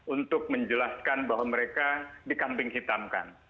untuk menjelaskan bahwa mereka dikamping hitamkan